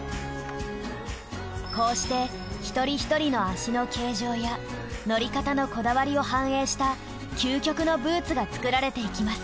こうして一人一人の足の形状や乗り方のこだわりを反映した究極のブーツが作られていきます。